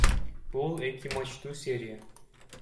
Бул эки матчтуу серия.